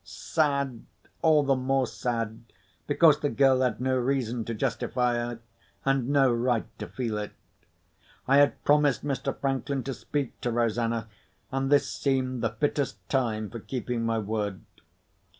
sad!—all the more sad because the girl had no reason to justify her, and no right to feel it. I had promised Mr. Franklin to speak to Rosanna, and this seemed the fittest time for keeping my word.